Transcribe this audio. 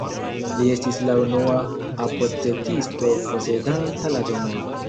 Li estis la unua apotekisto posedanta la domon.